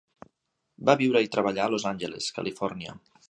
Va viure i treballar a Los Angeles, Califòrnia.